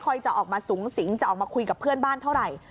จะออกมาสูงสิงจะออกมาคุยกับเพื่อนบ้านเท่าไหร่